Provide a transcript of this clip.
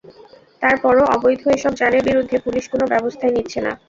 তার পরও অবৈধ এসব যানের বিরুদ্ধে পুলিশ কোনো ব্যবস্থাই নিচ্ছে না।